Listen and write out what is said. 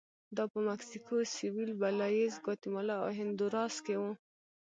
دا په مکسیکو سوېل، بلایز، ګواتیمالا او هندوراس کې و